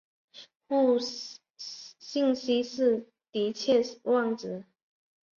互信息是的期望值。